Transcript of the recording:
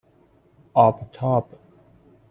آبتاب